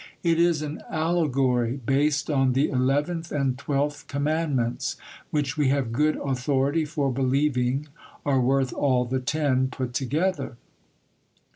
It is an allegory based on the eleventh and twelfth commandments, which we have good authority for believing are worth all the ten put together.